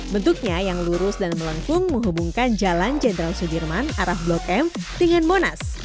bentuknya yang lurus dan melengkung menghubungkan jalan jenderal sudirman arah blok m dengan monas